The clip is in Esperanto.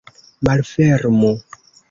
Malfermu!